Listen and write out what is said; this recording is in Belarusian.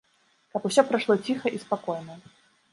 Каб усё прайшло ціха і спакойна.